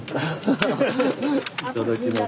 いただきます。